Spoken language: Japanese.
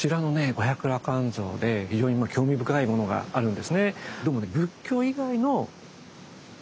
五百羅漢像で非常に興味深いものがあるんですね。